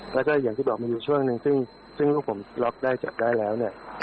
แล้วก็อย่างที่บอกมีอยู่ช่วงหนึ่งซึ่งลูกผมล็อกได้จับได้แล้วเนี่ย